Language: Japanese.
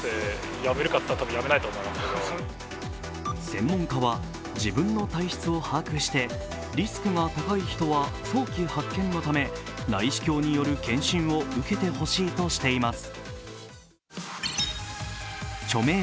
専門家は、自分の体質を把握してリスクが高い人は早期発見のため、内視鏡による検診を受けてほしいとしています。